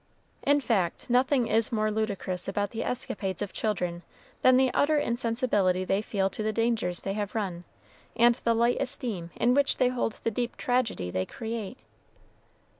In fact, nothing is more ludicrous about the escapades of children than the utter insensibility they feel to the dangers they have run, and the light esteem in which they hold the deep tragedy they create.